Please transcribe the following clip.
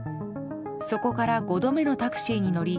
そこから５度目のタクシーに乗り